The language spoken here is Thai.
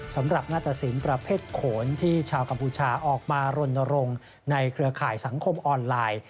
สำหรับหน้าตะสินประเภทโขนที่ชาวกัมพูชาออกมารณรงค์ในเครือข่ายสังคมออนไลน์